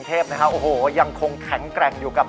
ความดีของคนกรุงเทพยังคงแข็งแกร่งอยู่กับ